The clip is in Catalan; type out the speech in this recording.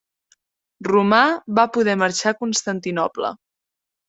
Romà va poder marxar a Constantinoble.